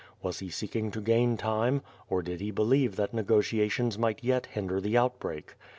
Was he seeking to gain time? or did he believe that negotiations might yet hinder the out break?